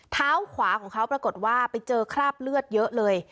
เท้าขวาของเขาปรากฏว่าไปเจอคราบเลือดเยอะเลย